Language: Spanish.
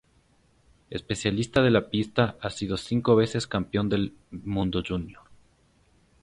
Especialista de la pista, ha sido cinco veces campeón del mundo junior.